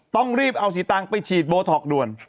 ต้องรีบเอาสีตังค์ไปฉีดโบท็อกด่วน